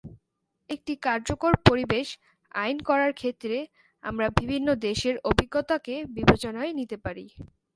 একটি কার্যকর পরিবেশ আইন করার ক্ষেত্রে আমরা বিভিন্ন দেশের অভিজ্ঞতাকে বিবেচনায় নিতে পারি।